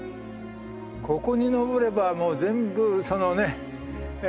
ここに登ればもう全部そのねあ。